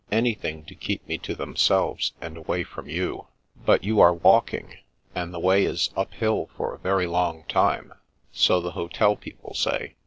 " Anything to keep me to themselves and away from you I But you are walking, and the way is uphill for a very long time, so the hotel people say.